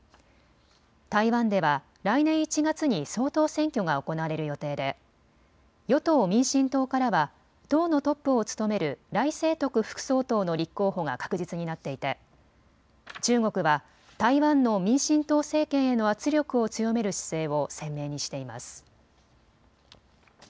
台湾では来年１月に総統選挙が行われる予定で与党・民進党からは党のトップを務める頼清徳副総統の立候補が確実になっていて中国は台湾の民進党政権への圧力を強める姿勢を鮮明にしています。